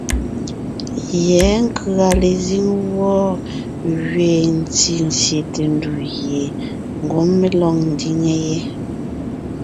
Yɛ̌ nkʉ̀a lezíŋ wɔ́ gẅiin ntí zsyète ndù gie ngwɔ́ mé lɔg ńdiŋe yé.